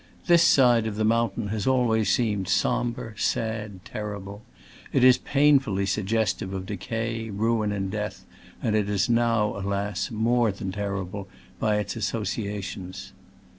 This side of the mountain has always seemed sombre, sad, terrible : it is painfully suggestive of decay, ruin and death ; and it is now, alas! more than terrible by its associations.